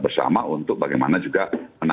bersama untuk bagaimana juga